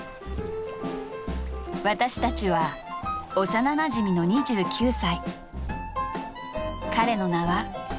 私たちは幼なじみの２９歳。